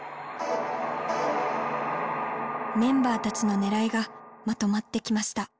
メンバーたちのねらいがまとまってきました。